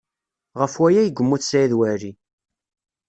Ɣef waya ay yemmut Saɛid Waɛli.